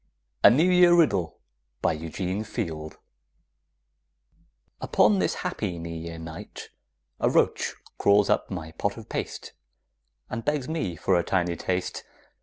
A NEW YEAR IDYL BY EUGENE FIELD Upon this happy New Year night, A roach crawls up my pot of paste, And begs me for a tiny taste.